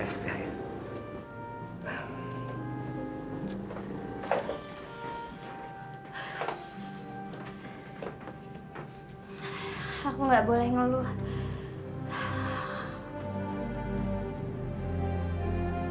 aku gak boleh ngeluh